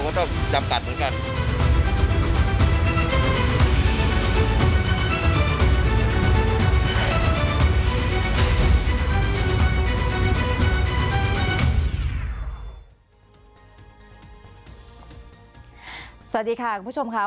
สะดีค่ะคุณผู้ชมครับ